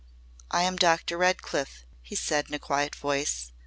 "I am Dr. Redcliff," he said in a quiet voice.